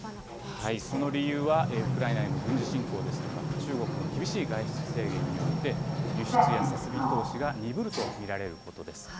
その理由は、ウクライナへの軍事侵攻ですとか、中国の厳しい外出制限によって、輸出や設備投資が鈍ると見られることです。